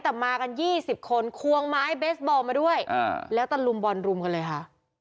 แต่มากัน๒๐คนควงไม้เบสบอลมาด้วยแล้วตะลุมบอลรุมกันเลยค่ะ